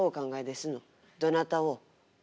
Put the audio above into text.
どなたを？